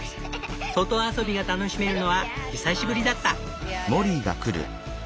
外遊びが楽しめるのは久しぶりだった。